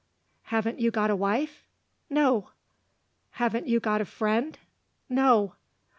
"Haven't you got a wife?" "No." "Haven't you got a friend?" "No."